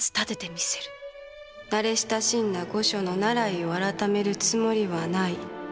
慣れ親しんだ御所の習いを改めるつもりはない。